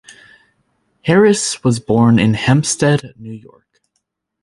Harris was born in Hempstead, New York.